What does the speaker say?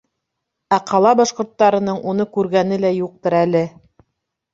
Ә ҡала башҡорттарының уны күргәне лә юҡтыр әле.